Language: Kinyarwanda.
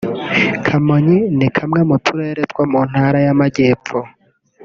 Kamonyi ni kamwe mu turere two mu Ntara y’Amajyepfo